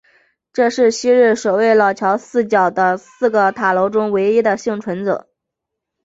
这是昔日守卫老桥四角的四个塔楼中唯一的幸存者。